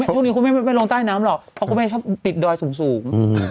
ตอนนี้คุณแม่ไม่ลงท่ายน้ำหรอกเพราะคุณแม่ชอบตริดดอยสูง